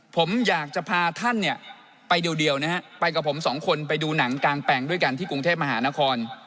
ผมอยากจะพาท่านเนี่ยไปเดียวนะฮะไปกับผมสองคนไปดูหนังกลางแปลงด้วยกันที่กรุงเทพมหานคร